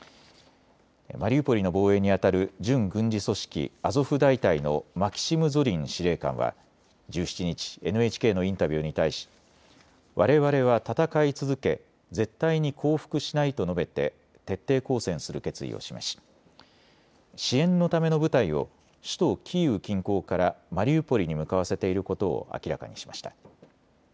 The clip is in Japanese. マリウポリの防衛にあたる準軍事組織、アゾフ大隊のマキシム・ゾリン司令官は１７日、ＮＨＫのインタビューに対し、われわれは戦い続け絶対に降伏しないと述べて徹底抗戦する決意を示し支援のための部隊を首都キーウ近郊からマリウポリに向かわせていることを明らかにしました。